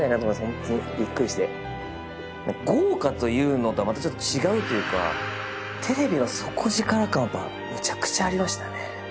ホントにびっくりして豪華というのとはまたちょっと違うというかテレビの底力感はむちゃくちゃありましたね